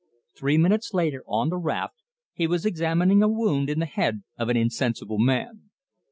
Three minutes later, on the raft, he was examining a wound in the head of an insensible man.